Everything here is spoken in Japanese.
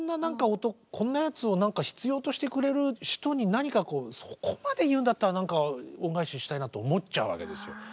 こんなやつを何か必要としてくれる人に何かこうそこまで言うんだったら何か恩返ししたいなと思っちゃうわけですよ。